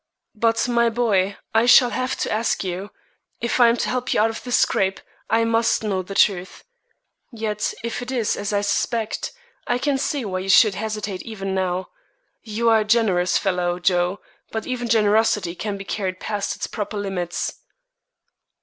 "But, my boy, I shall have to ask you; if I am to help you out of this scrape, I must know the truth. Yet if it is as I suspect, I can see why you should hesitate even now. You are a generous fellow, Joe, but even generosity can be carried past its proper limits."